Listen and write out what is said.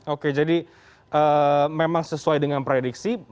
oke jadi memang sesuai dengan prediksi